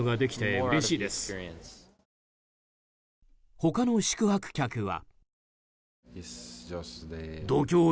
他の宿泊客は。